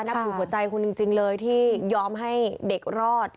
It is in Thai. นับถือหัวใจคุณจริงเลยที่ยอมให้เด็กรอด